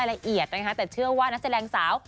คนใกล้ตัวน้องสาวคนสนิทนั่นเองนะคะ